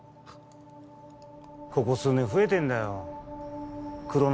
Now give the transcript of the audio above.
ここ数年増えてんだよクロ